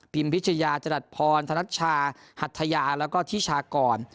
พิชยาจรัสพรธนัชชาหัทยาแล้วก็ทิชากร